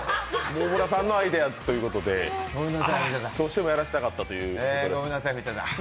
大村さんのアイデアでどうしてもやらせたかったということで。